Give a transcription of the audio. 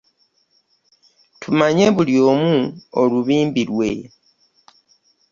Tumanye buli omu olubimbi lwe.